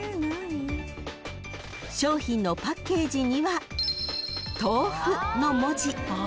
［商品のパッケージには「とうふ」の文字］